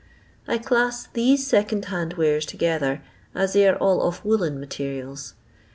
I CLASS these second hand wares together, as they are all of woollen materials.